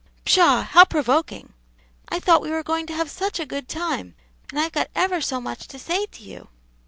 "Pshaw! how provoking. I thought we were going to have such a good time, and I've got ever so much to say to you."